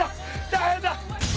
大変だ！